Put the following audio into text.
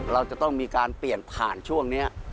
เราจะต้องมีการเปลี่ยนผ่านช่วงนี้